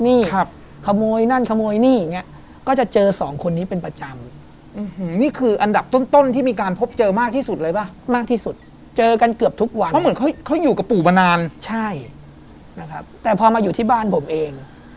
อีกต้นนึงที่โดนเอ็นตัดหัวขาดแล้วคุณปู่ใช้ฟาง